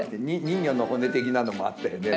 人魚の骨的なのもあったよね。